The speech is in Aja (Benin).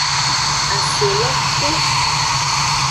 Aselo ku.